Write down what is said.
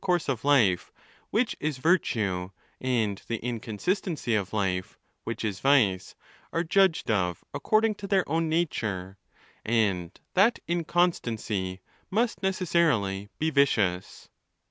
course of life, which is virtue, and the inconsistency of life, which is vice, are judged of according to their own nature, —and that inconstancy must necessarily be vicious.